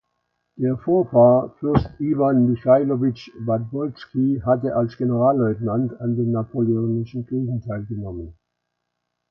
Der Vorfahr Fürst Iwan Michailowitsch Wadbolski hatte als Generalleutnant an den Napoleonischen Kriegen teilgenommen.